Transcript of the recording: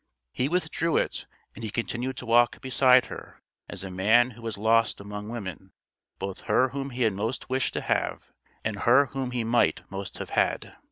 He withdrew it; and he continued to walk beside her as a man who has lost among women both her whom he had most wished to have and her whom he might most have had.